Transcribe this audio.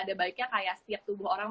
ada baiknya kayak setiap tubuh orang